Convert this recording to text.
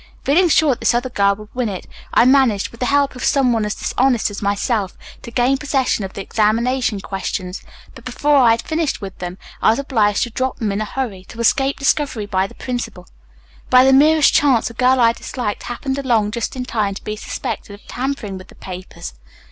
Feeling sure that this other girl would win it, I managed, with the help of some one as dishonest as myself, to gain possession of the examination questions, but before I had finished with them, I was obliged to drop them in a hurry, to escape discovery by the principal. By the merest chance the girl I disliked happened along just in time to be suspected of tampering with the papers.